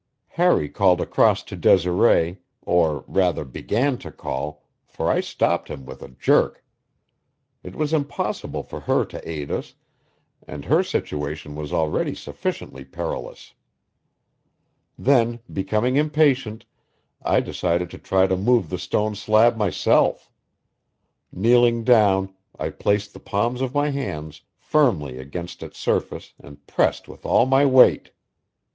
Harry called across to Desiree, or rather began to call, for I stopped him with a jerk. It was impossible for her to aid us, and her situation was already sufficiently perilous. Then, becoming impatient, I decided to try to move the stone slab myself. Kneeling down, I placed the palms of my hands firmly against its surface and pressed with all my weight.